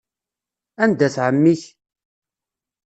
Anda-t ɛemmi-k?